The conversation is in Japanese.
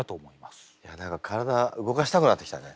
いや何か体動かしたくなってきたね。